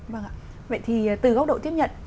vâng ạ vậy thì từ góc độ tiếp nhận